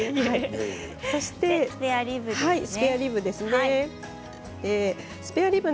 そしてスペアリブです。